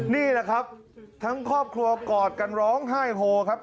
นี่แหละครับทั้งครอบครัวกอดกันร้องไห้โฮครับ